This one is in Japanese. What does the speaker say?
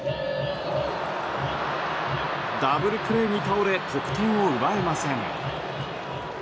ダブルプレーに倒れ得点を奪えません。